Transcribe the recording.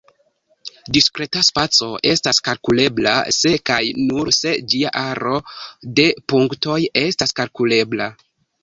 Diskreta spaco estas kalkulebla se kaj nur se ĝia aro de punktoj estas kalkulebla.